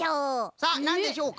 さあなんでしょうか？